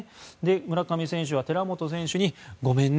村上選手は寺本選手にごめんね